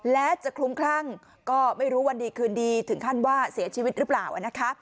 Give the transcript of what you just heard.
และจะคลุ้มคลั่งก็ไม่รู้วันดีคืนดีถึงขั้นว่าเสียชีวิตหรือเปล่านะคะ